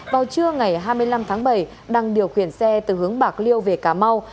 vào trưa ngày hai mươi năm tháng bảy đăng điều khiển xe từ hướng bạc liêu về cà mau